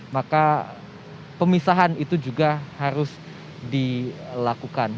maka pemisahan itu juga harus dilakukan